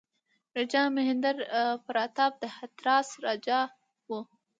راجا مهیندراپراتاپ د هتراس راجا وو.